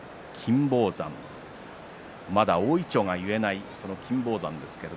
まだ大いちょうが結えない金峰山です。